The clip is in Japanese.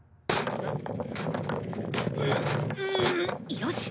よし！